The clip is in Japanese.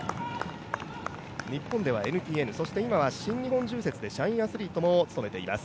日本ではＮＴＮ、そして今は社員アスリートもつけています